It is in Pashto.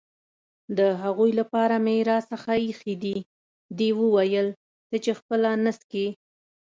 د هغوی لپاره مې راسره اېښي دي، دې وویل: ته یې خپله نه څښې؟